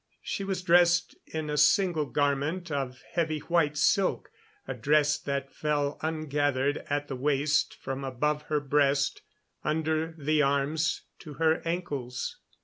She was dressed in a single garment of heavy white silk, a dress that fell ungathered at the waist from above her breast under the arms to her ankles.